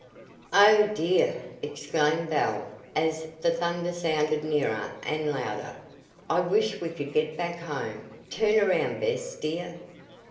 "Oh, dear!" exclaimed Belle as the thunder sounded nearer and louder. "I wish we could get back home. Turn around, Bess., dear."